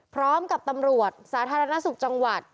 พร้อมกับตำรวจสาธารณสุขจังหวัด